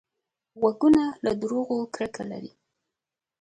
غوږونه له دروغو کرکه لري